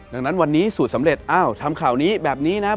ดังนั้นวันนี้สูตรสำเร็จอ้าวทำข่าวนี้แบบนี้นะครับ